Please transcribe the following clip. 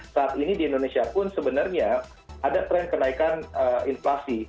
saat ini di indonesia pun sebenarnya ada tren kenaikan inflasi